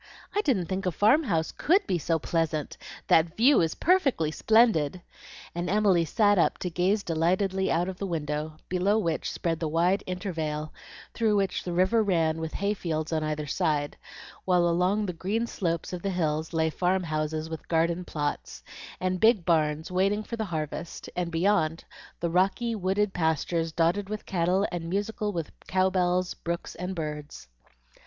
I didn't think a farm house COULD be so pleasant. That view is perfectly splendid!" and Emily sat up to gaze delightedly out of the window, below which spread the wide intervale, through which the river ran with hay fields on either side, while along the green slopes of the hills lay farm houses with garden plots, and big barns waiting for the harvest; and beyond, the rocky, wooded pastures dotted with cattle and musical with cow bells, brooks, and birds.